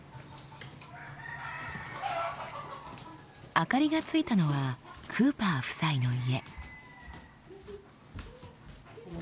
・・明かりがついたのはクーパー夫妻の家。